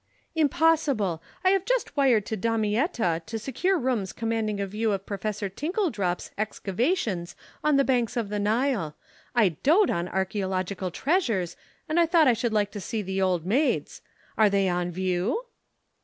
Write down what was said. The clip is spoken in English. "Impossible. I have just wired to Damietta to secure rooms commanding a view of Professor Tickledroppe's excavations on the banks of the Nile. I dote on archæological treasures and thought I should like to see the Old Maids. Are they on view?"